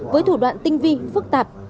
với thủ đoạn tinh vi phức tạp